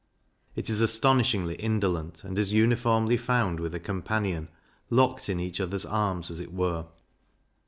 It is astonishingly indolent, and is uniformly found with a companion, locked in each other's arms, as it were.